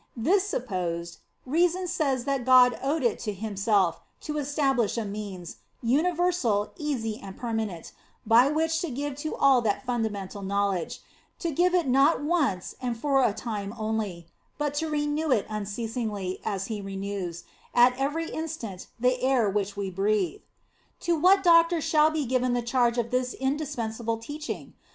This sup posed, reason says that God owed it to Him self to establish a means, universal, easy, and permanent, by which to give to all that funda mental knowledge; to give it not once, and for a time only, but to renew it unceasingly, as He renews, at every instant, the air which we breathe. To what doctor shall be given the charge of this indispensable teaching?